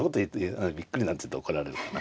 びっくりなんて言ったら怒られるかな。